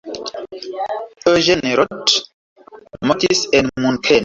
Eugen Roth mortis en Munkeno.